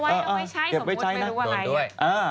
เออเอาไว้ก็ไม่ใช้สมมุติไม่รู้อะไรโดนด้วยเออเออเก็บไว้ใช้นะ